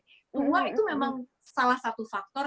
uang itu memang salah satu faktor